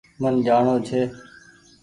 من جآڻونٚ ڇي